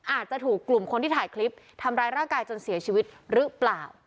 อาจจะถูกกลุ่มคนที่ถ่ายคลิปทำร้ายร่างกายจนเสียชีวิตหรือเปล่า